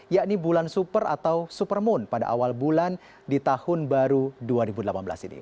yakni bulan super atau supermoon pada awal bulan di tahun baru dua ribu delapan belas ini